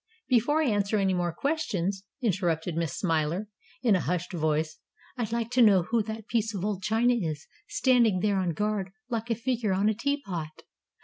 "Before I answer any more questions," interrupted Miss Smiler, in a hushed voice, "I'd like to know who that piece of old china is, standing there on guard, like a figure on a teapot?"